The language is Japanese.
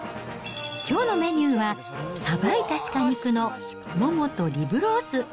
きょうのメニューは、さばいた鹿肉のももとリブロース。